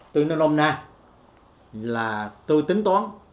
từ nông đồng này là tôi tính toán